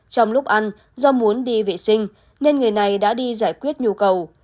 trong lúc ăn do muốn đi vệ sinh nên người này đã đi giải quyết nhu cầu